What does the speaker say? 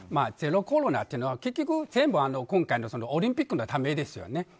ゼロコロナというのは結局オリンピックのためですよね。